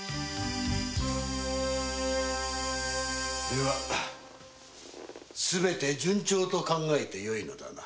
ではすべて順調と考えてよいのだな。